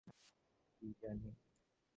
আমি তার কী জানি?